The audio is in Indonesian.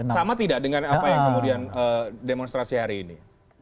sama tidak dengan apa yang kemudian demonstrasi hari ini